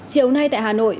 chiều nay tại hà nội